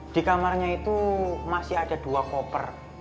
di kamarnya itu masih ada dua koper